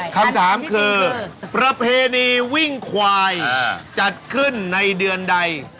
คำถามคือประเพณีวิ่งควายจัดขึ้นในเดือนใด